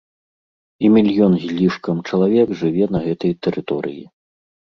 І мільён з лішкам чалавек жыве на гэтай тэрыторыі.